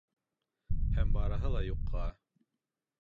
Һәм барыһы ла юҡҡа...